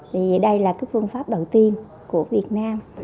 vì đây là phương pháp đầu tiên của việt nam